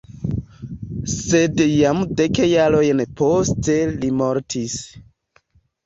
Sed jam dek jarojn poste li mortis.